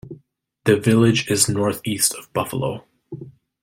The village is northeast of Buffalo.